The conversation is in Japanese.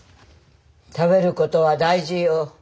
食べることは大事よ。